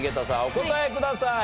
お答えください。